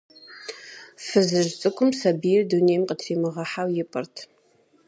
Фызыжь цӀыкӀум сабийр дунейм къытримыгъэхьэу ипӀырт.